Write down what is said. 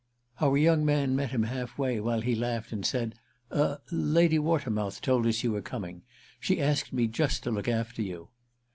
Our young man met him halfway while he laughed and said: "Er—Lady Watermouth told us you were coming; she asked me just to look after you."